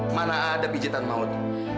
mana ada pijatan maut